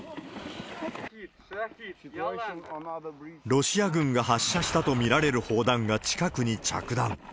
ロシア軍が発射したと見られる砲弾が近くに着弾。